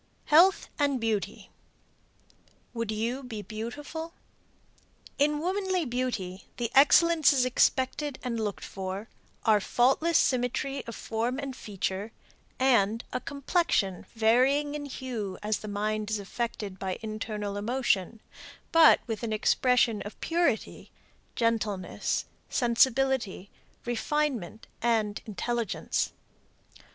HEALTH AND BEAUTY WOULD YOU BE BEAUTIFUL? In womanly beauty the excellences expected and looked for are faultless symmetry of form and feature and a complexion varying in hue as the mind is affected by internal emotion, but with an expression of purity, gentleness, sensibility, refinement and intelligence.